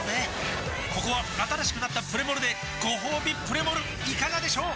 ここは新しくなったプレモルでごほうびプレモルいかがでしょう？